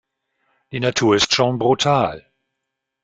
Die Natur ist schon brutal.